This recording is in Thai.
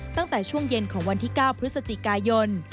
ตั้งแต่ช่วงเย็นของวันที่๙พฤศจิกายน